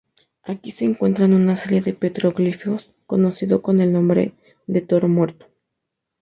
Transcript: Aquí se encuentran una serie de petroglifos conocidos con el nombre de Toro Muerto.